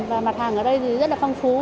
và mặt hàng ở đây thì rất là phong phú